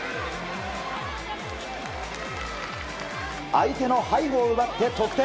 相手の背後を奪って得点。